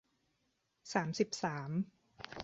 สามสิบสาม